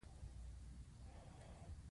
د مصریانو ښه پیژندنه د هرمونو په وسیله کیږي.